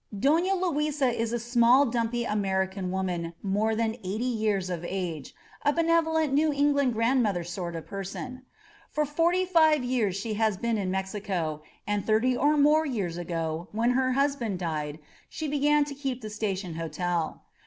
Dofia Luisa is a small, diunpy American woman more than eighty years of age — a benevolent New England grandmother sort of person. For forty five years she has been in Mexico, and thirty or more years ago, when her husband died, she began to keep the Station Hotel.